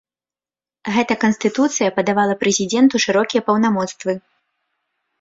Гэта канстытуцыя падавала прэзідэнту шырокія паўнамоцтвы.